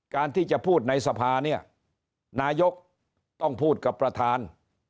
การที่จะพูดในสภาเนี่ยนายกต้องพูดกับประธาน